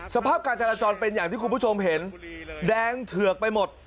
สภาพการจราจรเป็นอย่างที่คุณผู้ชมเห็นแดงเถือกไปหมด